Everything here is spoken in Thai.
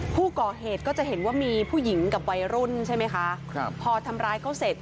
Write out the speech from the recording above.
ผู้ก่อเหตุก็จะเห็นว่ามีผู้หญิงกับวัยรุ่นใช่ไหมคะครับพอทำร้ายเขาเสร็จ